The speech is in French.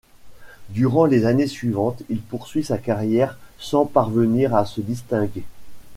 Durant les années suivantes, il poursuit sa carrière sans parvenir à se distinguer.